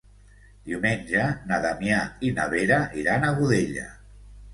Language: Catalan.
Diumenge na Damià i na Vera iran a Godella.